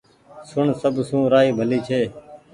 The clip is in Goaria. سڻ سب سون رآئي ڀلي ڇي